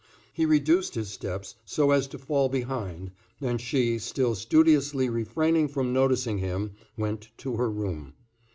He reduced his steps so as to fall behind, and she, still studiously refraining from noticing him, went to her room.